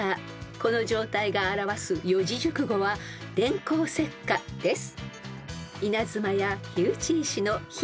［この状態が表す四字熟語は「電光石火」です］